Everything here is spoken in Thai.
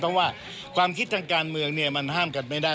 เพราะว่าความคิดทางการเมืองเนี่ยมันห้ามกันไม่ได้